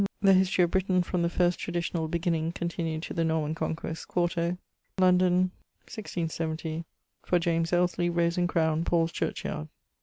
The history of Britain from the first tradicionall beginning continued to the Norman Conquest, 4to, London, MDCLXX, for James Alesly, Rose and Crowne, Paul's Churchyard.